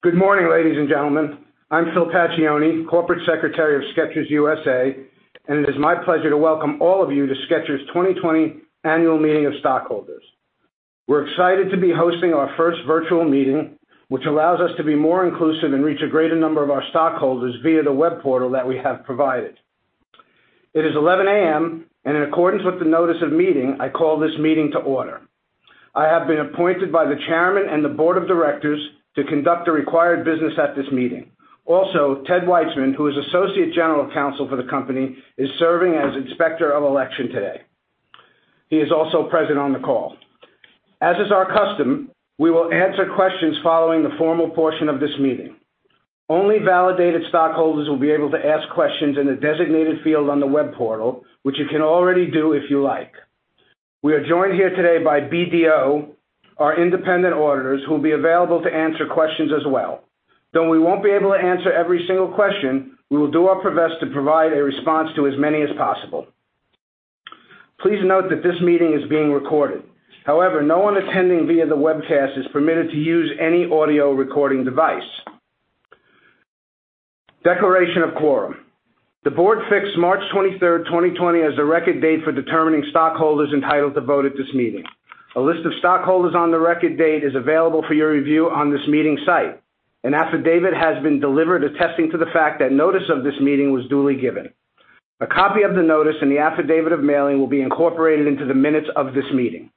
Good morning, ladies and gentlemen. I'm Phil Paccione, corporate secretary of Skechers U.S.A., and it is my pleasure to welcome all of you to Skechers' 2020 annual meeting of stockholders. We're excited to be hosting our first virtual meeting, which allows us to be more inclusive and reach a greater number of our stockholders via the web portal that we have provided. It is 11:00 A.M., and in accordance with the notice of meeting, I call this meeting to order. I have been appointed by the chairman and the board of directors to conduct the required business at this meeting. Also, Ted Weitzman, who is associate general counsel for the company, is serving as inspector of election today. He is also present on the call. As is our custom, we will answer questions following the formal portion of this meeting. Only validated stockholders will be able to ask questions in the designated field on the web portal, which you can already do if you like. We are joined here today by BDO, our independent auditors, who will be available to answer questions as well. Though we won't be able to answer every single question, we will do our best to provide a response to as many as possible. Please note that this meeting is being recorded. However, no one attending via the webcast is permitted to use any audio recording device. Declaration of quorum. The board fixed March 23rd, 2020, as the record date for determining stockholders entitled to vote at this meeting. A list of stockholders on the record date is available for your review on this meeting site. An affidavit has been delivered attesting to the fact that notice of this meeting was duly given. A copy of the notice and the affidavit of mailing will be incorporated into the minutes of this meeting.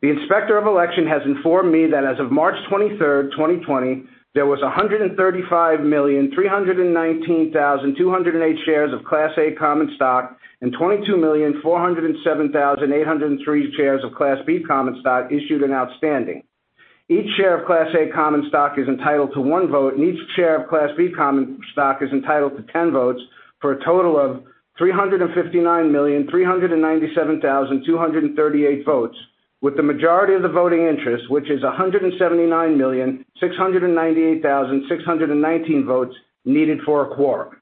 The inspector of election has informed me that as of March 23rd, 2020, there was 135,319,208 shares of Class A common stock and 22,407,803 shares of Class B common stock issued and outstanding. Each share of Class A common stock is entitled to one vote, and each share of Class B common stock is entitled to 10 votes for a total of 359,397,238 votes, with the majority of the voting interest, which is 179,698,619 votes, needed for a quorum.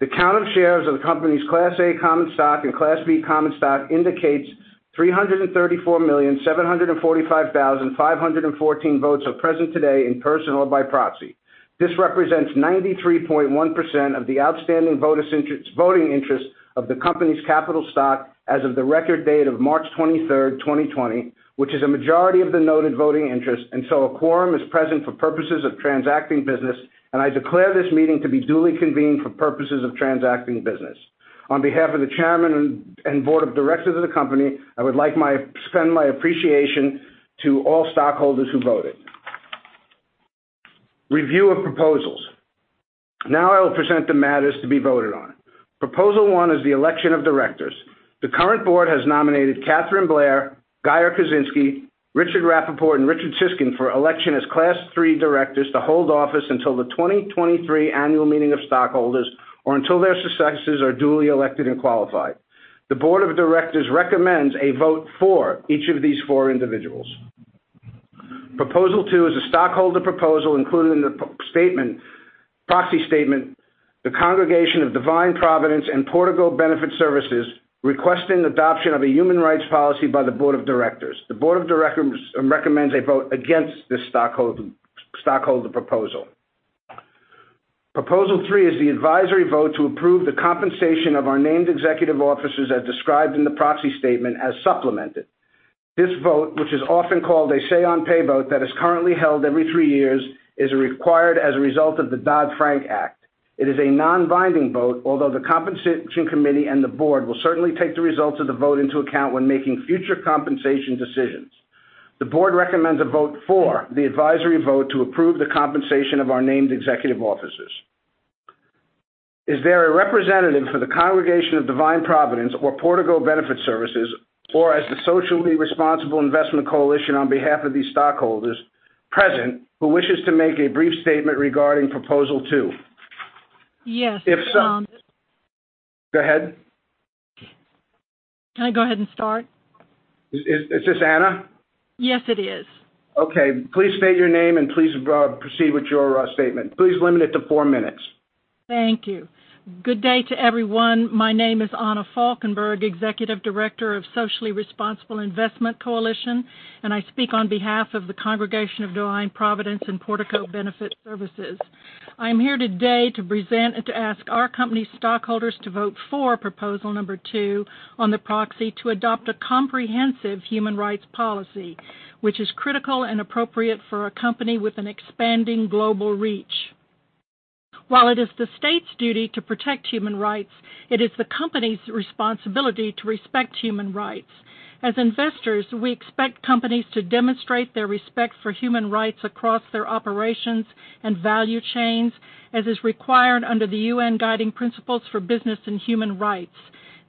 The count of shares of the company's Class A common stock and Class B common stock indicates 334,745,514 votes are present today in person or by proxy. This represents 93.1% of the outstanding voting interest of the company's capital stock as of the record date of March 23rd, 2020, which is a majority of the noted voting interest. A quorum is present for purposes of transacting business. I declare this meeting to be duly convened for purposes of transacting business. On behalf of the chairman and board of directors of the company, I would like to extend my appreciation to all stockholders who voted. Review of proposals. I will present the matters to be voted on. Proposal one is the election of directors. The current board has nominated Katherine Blair, Geyer Kosinski, Richard Rappaport, and Richard Siskind for election as Class III Directors to hold office until the 2023 annual meeting of stockholders or until their successors are duly elected and qualified. The board of directors recommends a vote for each of these four individuals. Proposal two is a stockholder proposal included in the proxy statement, the Congregation of Divine Providence and Portico Benefit Services, requesting adoption of a human rights policy by the board of directors. The board of directors recommends a vote against this stockholder proposal. Proposal three is the advisory vote to approve the compensation of our named executive officers as described in the proxy statement as supplemented. This vote, which is often called a "say on pay" vote that is currently held every three years, is required as a result of the Dodd-Frank Act. It is a non-binding vote, although the compensation committee and the board will certainly take the results of the vote into account when making future compensation decisions. The board recommends a vote for the advisory vote to approve the compensation of our named executive officers. Is there a representative for the Congregation of Divine Providence or Portico Benefit Services, or as the Socially Responsible Investment Coalition on behalf of these stockholders present who wishes to make a brief statement regarding proposal two? Yes. If so. Go ahead. Can I go ahead and start? Is this Anna? Yes, it is. Okay. Please state your name, and please proceed with your statement. Please limit it to four minutes. Thank you. Good day to everyone. My name is Anna Falkenberg, executive director of Socially Responsible Investment Coalition, and I speak on behalf of the Congregation of Divine Providence and Portico Benefit Services. I am here today to ask our company stockholders to vote for proposal number two on the proxy to adopt a comprehensive human rights policy, which is critical and appropriate for a company with an expanding global reach. While it is the state's duty to protect human rights, it is the company's responsibility to respect human rights. As investors, we expect companies to demonstrate their respect for human rights across their operations and value chains, as is required under the UN Guiding Principles on Business and Human Rights,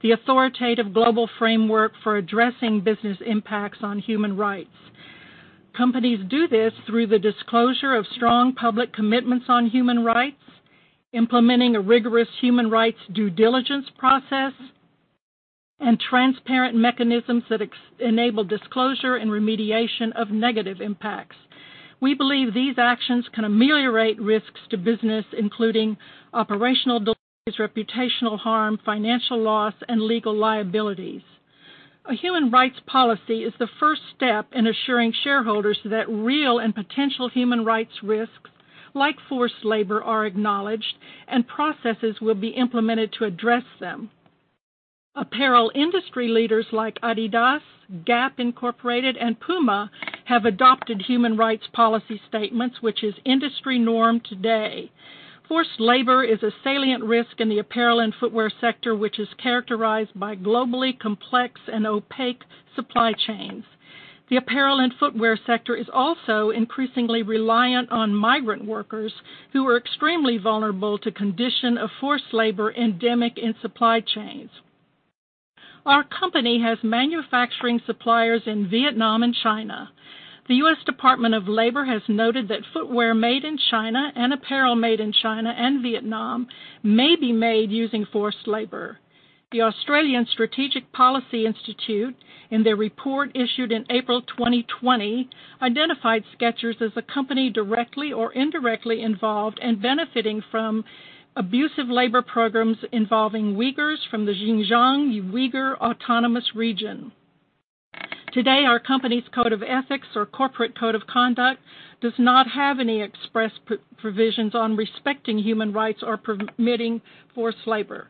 the authoritative global framework for addressing business impacts on human rights. Companies do this through the disclosure of strong public commitments on human rights, implementing a rigorous human rights due diligence process, and transparent mechanisms that enable disclosure and remediation of negative impacts. We believe these actions can ameliorate risks to business, including operational delays, reputational harm, financial loss, and legal liabilities. A human rights policy is the first step in assuring shareholders that real and potential human rights risks, like forced labor, are acknowledged, and processes will be implemented to address them. Apparel industry leaders like adidas, Gap Inc., and Puma have adopted human rights policy statements, which is industry norm today. Forced labor is a salient risk in the apparel and footwear sector, which is characterized by globally complex and opaque supply chains. The apparel and footwear sector is also increasingly reliant on migrant workers, who are extremely vulnerable to condition of forced labor endemic in supply chains. Our company has manufacturing suppliers in Vietnam and China. The U.S. Department of Labor has noted that footwear made in China and apparel made in China and Vietnam may be made using forced labor. The Australian Strategic Policy Institute, in their report issued in April 2020, identified Skechers as a company directly or indirectly involved and benefiting from abusive labor programs involving Uyghurs from the Xinjiang Uyghur Autonomous Region. Today, our company's code of ethics or corporate code of conduct does not have any express provisions on respecting human rights or permitting forced labor.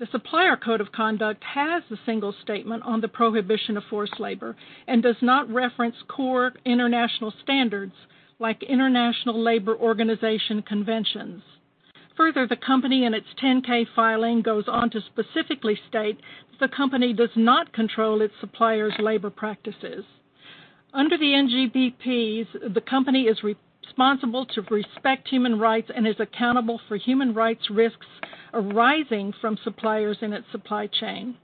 The supplier code of conduct has a single statement on the prohibition of forced labor and does not reference core international standards, like International Labour Organization conventions. Further, the company in its 10-K filing goes on to specifically state the company does not control its suppliers' labor practices. Under the UNGPs, the company is responsible to respect human rights and is accountable for human rights risks arising from suppliers in its supply chain.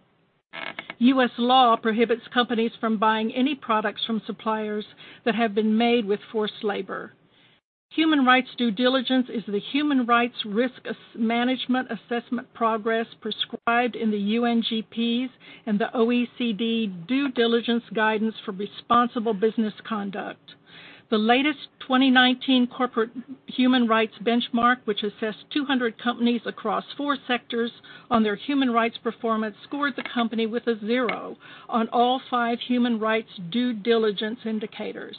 U.S. law prohibits companies from buying any products from suppliers that have been made with forced labor. Human rights due diligence is the human rights risk management assessment progress prescribed in the UNGPs and the OECD Due Diligence Guidance for Responsible Business Conduct. The latest 2019 Corporate Human Rights Benchmark, which assessed 200 companies across four sectors on their human rights performance, scored the company with a zero on all five human rights due diligence indicators.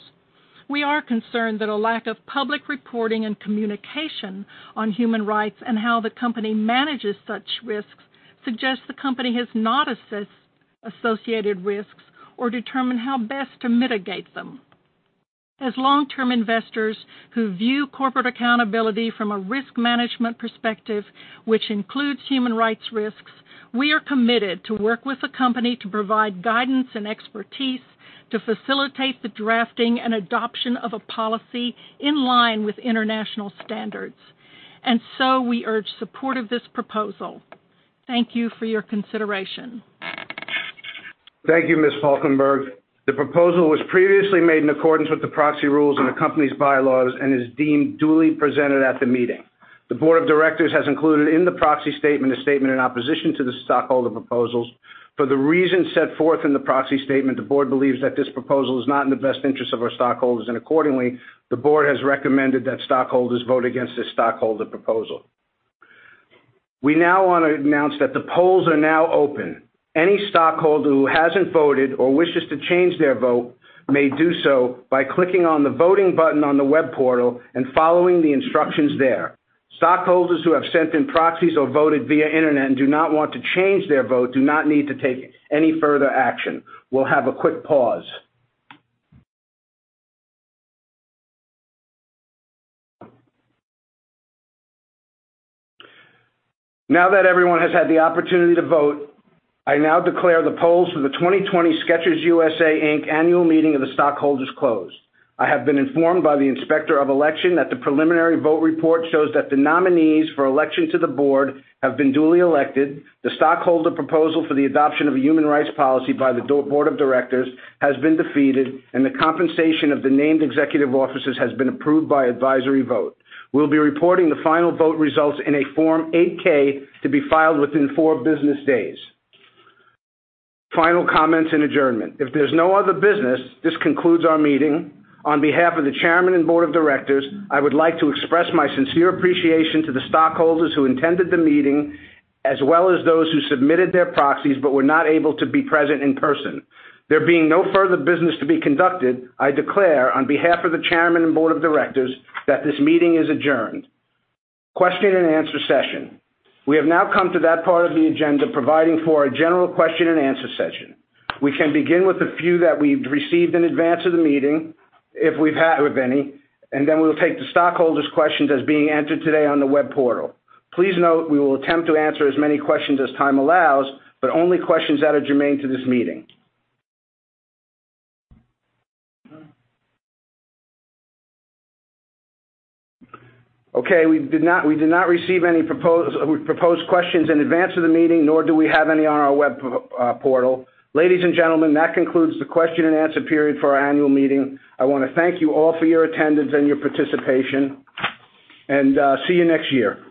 We are concerned that a lack of public reporting and communication on human rights and how the company manages such risks suggests the company has not assessed associated risks or determined how best to mitigate them. As long-term investors who view corporate accountability from a risk management perspective, which includes human rights risks, we are committed to work with the company to provide guidance and expertise to facilitate the drafting and adoption of a policy in line with international standards. We urge support of this proposal. Thank you for your consideration. Thank you, Ms. Falkenberg. The proposal was previously made in accordance with the proxy rules and the company's bylaws and is deemed duly presented at the meeting. The board of directors has included in the proxy statement a statement in opposition to the stockholder proposals. For the reasons set forth in the proxy statement, the board believes that this proposal is not in the best interest of our stockholders, and accordingly, the board has recommended that stockholders vote against this stockholder proposal. We now want to announce that the polls are now open. Any stockholder who hasn't voted or wishes to change their vote may do so by clicking on the voting button on the web portal and following the instructions there. Stockholders who have sent in proxies or voted via internet and do not want to change their vote do not need to take any further action. We'll have a quick pause. Now that everyone has had the opportunity to vote, I now declare the polls for the 2020 Skechers U.S.A., Inc. Annual Meeting of the Stockholders closed. I have been informed by the Inspector of Election that the preliminary vote report shows that the nominees for election to the board have been duly elected, the stockholder proposal for the adoption of a human rights policy by the board of directors has been defeated, and the compensation of the named executive officers has been approved by advisory vote. We'll be reporting the final vote results in a Form 8-K to be filed within four business days. Final comments and adjournment. If there's no other business, this concludes our meeting. On behalf of the chairman and board of directors, I would like to express my sincere appreciation to the stockholders who attended the meeting, as well as those who submitted their proxies but were not able to be present in person. There being no further business to be conducted, I declare on behalf of the chairman and board of directors that this meeting is adjourned. Question-and-answer session. We have now come to that part of the agenda, providing for a general question and answer session. We can begin with a few that we've received in advance of the meeting, if we've had any, and then we'll take the stockholders' questions as being entered today on the web portal. Please note we will attempt to answer as many questions as time allows, but only questions that are germane to this meeting. Okay. We did not receive any proposed questions in advance of the meeting, nor do we have any on our web portal. Ladies and gentlemen, that concludes the question-and-answer period for our annual meeting. I want to thank you all for your attendance and your participation, and see you next year.